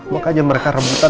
makanya mereka rebutan